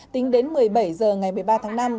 tính đến một mươi bảy h ngày một mươi ba tháng năm